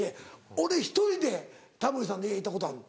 俺１人でタモリさんの家行ったことある。